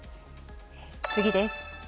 次です。